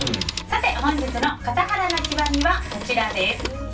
本日の笠原の極みはこちらです。